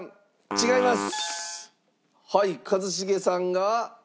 違います！